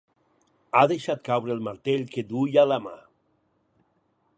Ha deixat caure el martell que duia a la mà.